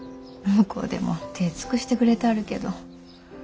向こうでも手ぇ尽くしてくれたはるけど。